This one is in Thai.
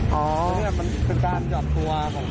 เพราะเนื่องที่มันเป็นการเจาะตัวของท่อ